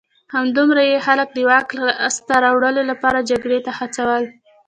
همدومره یې خلک د واک لاسته راوړلو لپاره جګړې ته هڅول